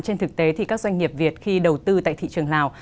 trên thực tế thì các doanh nghiệp việt khi đầu tư tại thị trường nào